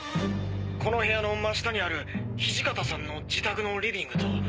この部屋の真下にある土方さんの自宅のリビングと。